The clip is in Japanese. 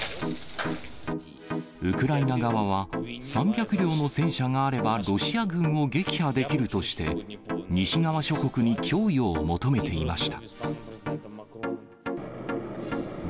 ウクライナ側は、３００両の戦車があればロシア軍を撃破できるとして、西側諸国に供与を求めていました。